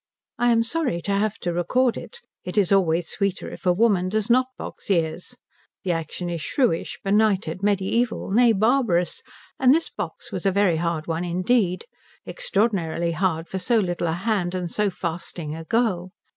I am sorry to have to record it. It is always sweeter if a woman does not box ears. The action is shrewish, benighted, mediæval, nay, barbarous; and this box was a very hard one indeed, extraordinarily hard for so little a hand and so fasting a girl.